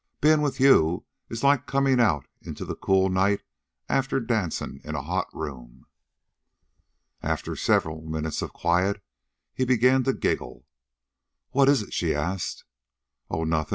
Bein' with you is like comin' out into the cool night after dancin' in a hot room." After several minutes of quiet, he began to giggle. "What is it?" she asked. "Oh, nothin'.